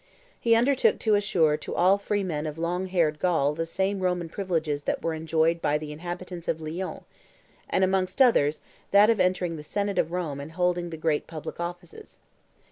He undertook to assure to all free men of "long haired" Gaul the same Roman privileges that were enjoyed by the inhabitants of Lyons; and amongst others, that of entering the senate of Rome and holding the great public offices.